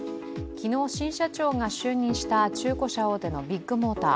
昨日、新社長が就任した中古車大手のビッグモーター。